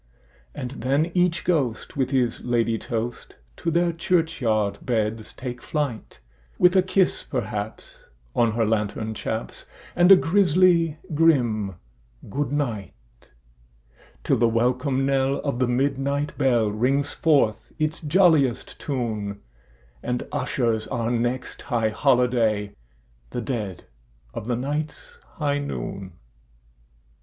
And then each ghost with his ladye toast to their churchyard beds take flight, With a kiss, perhaps, on her lantern chaps, and a grisly grim "good night"; Till the welcome knell of the midnight bell rings forth its jolliest tune, And ushers our next high holiday—the dead of the night's high noon!